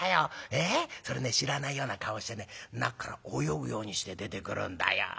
それね知らないような顔してね中から泳ぐようにして出てくるんだよ。